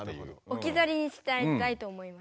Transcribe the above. おきざりにしたいと思います。